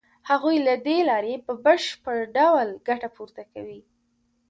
هغوی له دې لارې په بشپړ ډول ګټه پورته کوي